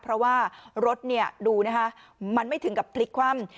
เพราะว่ารถดูนะคะมันไม่ถึงกับพลิกคว่ำ